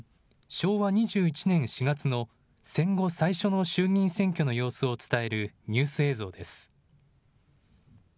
昭和２１年４月の戦後最初の衆議院選挙の様子を伝えるニュース映像です。